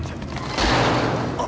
あっ！